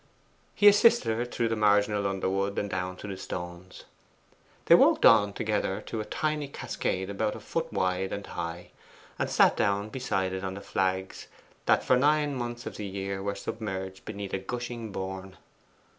He assisted her through the marginal underwood and down to the stones. They walked on together to a tiny cascade about a foot wide and high, and sat down beside it on the flags that for nine months in the year were submerged beneath a gushing bourne.